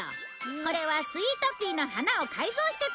これはスイートピーの花を改造して作ったんだ。